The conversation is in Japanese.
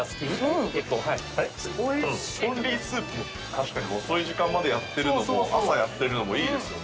確かに遅い時間までやってるのも朝やってるのもいいですよね。